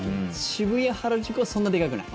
渋谷、原宿はそんなでかくない？